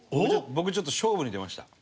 僕ちょっと勝負に出ました。